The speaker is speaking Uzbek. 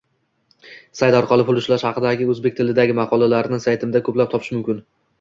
Sayt orqali pul ishlash haqidagi o’zbek tilidagi maqolalarni saytimda ko’plab topish mumkin